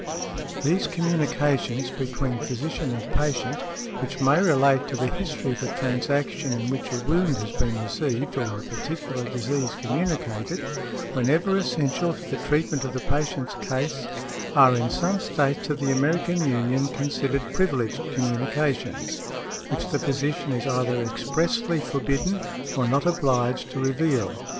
These communications between physician and patient, which may relate to the history of a transaction in which a wound has been received, or a particular disease communicated, whenever essential to the treatment of the patient's case, are in some States of the American Union considered privileged communications, which the physician is either expressly forbidden, or not obliged, to reveal.